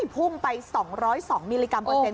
พุ่งไป๒๐๒มิลลิกรัมเปอร์เซ็น